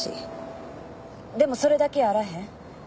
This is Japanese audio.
でもそれだけやあらへん。